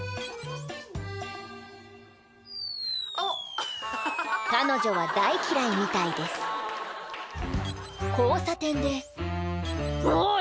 アハハハ・彼女は大嫌いみたいです交差点で「おい！